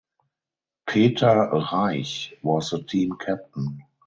Peter Reich was the team captain.